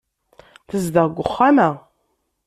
Tezdeɣ deg uxxam-a.